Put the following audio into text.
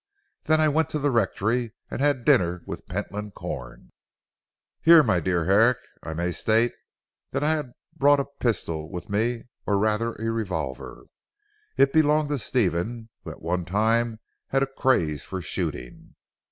Then I went to the rectory and had dinner with Pentland Corn. "Here, my dear Herrick, I may state that I had brought a pistol with me or rather a revolver. It belonged to Stephen who at one time had a craze for shooting.